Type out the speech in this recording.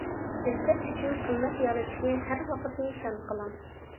شىركەت ئۈچۈن قىممەت يارىتىشنى ھەر ۋاقىت نىشان قىلىڭ.